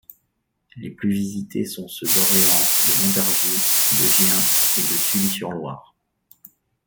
Les plus visités sont ceux d’Orléans, de Montargis, de Gien et de Sully-sur-Loire.